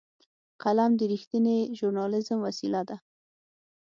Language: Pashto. قلم د رښتینې ژورنالېزم وسیله ده